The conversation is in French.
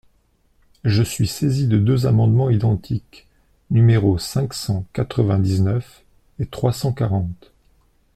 Je suis saisi de deux amendements identiques, numéros cinq cent quatre-vingt-dix-neuf et trois cent quarante.